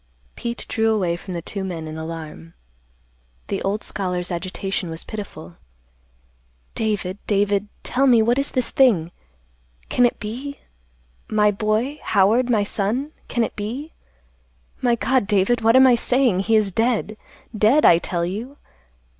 Pete drew away from the two men in alarm. The old scholar's agitation was pitiful. "David, David; tell me, what is this thing? Can it be—my boy—Howard, my son—can it be? My God, David, what am I saying? He is dead. Dead, I tell you.